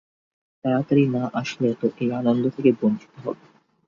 তাড়াতাড়ি না আসলে তো এই আনন্দ থেকে বঞ্চিত হবে।